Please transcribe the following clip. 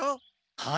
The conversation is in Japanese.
はい。